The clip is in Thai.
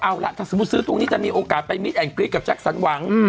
เอาล่ะถ้าสมมุติซื้อตรงนี้จะมีโอกาสไปมิดแอนกรี๊ดกับแจ็คสันหวัง